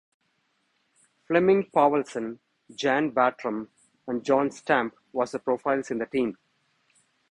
Flemming Povlsen, Jan Bartram and John Stampe was the profiles in the team.